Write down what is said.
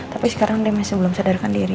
tapi sekarang demes sebelum sadarkan diri